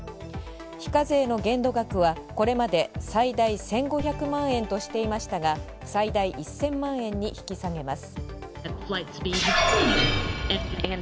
非課税の限度額はこれまで最大１５００万円としていましたが、最大１０００万円に引き下げます。